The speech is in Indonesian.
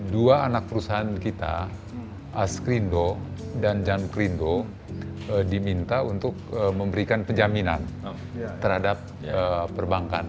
dua anak perusahaan kita as krindo dan jan krindo diminta untuk memberikan penjaminan terhadap perbankan